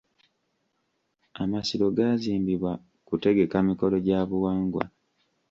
Amasiro gaazimbibwa kutegeka mikolo gya buwangwa.